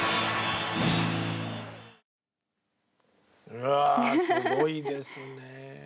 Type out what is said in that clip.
うわすごいですね。